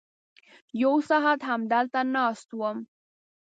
یو ساعت همدلته ناست وم.